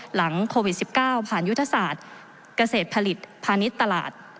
หลังโควิด๑๙ผ่านยุทธศาสตร์เกษตรผลิตพาณิชย์ตลาด